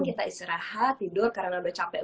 kita istirahat tidur karena udah capek